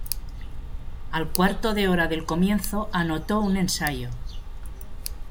Al cuarto de hora del comienzo, anotó un ensayo.